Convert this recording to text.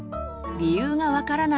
理由が分からない